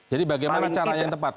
jadi bagaimana caranya yang tepat